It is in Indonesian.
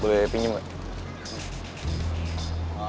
boleh pinjem nggak